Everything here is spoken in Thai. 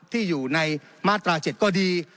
ที่อยู่ในมาตรา๗ก็ดี